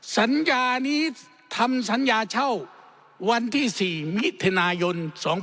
สัญญานี้ทำสัญญาเช่าวันที่๔มิถุนายน๒๕๖๒